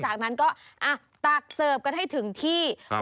จากนั้นก็อ่ะตักเสิร์ฟกันให้ถึงที่